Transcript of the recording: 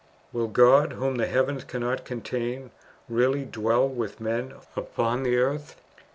467 " Will God, whom the heavens cannot contain, really dwell with men upon the earth